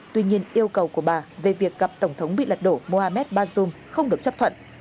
tuy nhiên yêu cầu của bà về việc gặp tổng thống bị lật đổ mohamed bazoum không được chấp thuận